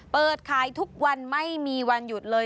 เปิดขายทุกวันไม่มีวันหยุดเลย